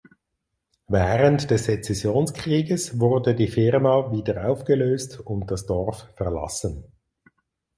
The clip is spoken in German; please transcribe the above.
Während des Sezessionskrieges wurde die Firma wieder aufgelöst und das Dorf verlassen.